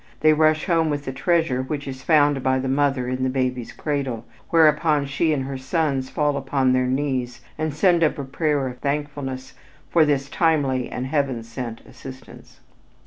They rush home with the treasure which is found by the mother in the baby's cradle, whereupon she and her sons fall upon their knees and send up a prayer of thankfulness for this timely and heaven sent assistance.